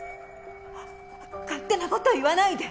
勝手な事言わないで。